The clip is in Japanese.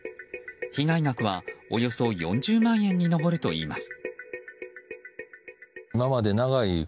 被害額はおよそ４０万円に上るといいます。